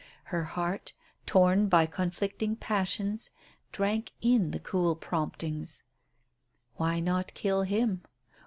Her heart, torn by conflicting passions, drank in the cruel promptings. "Why not kill him?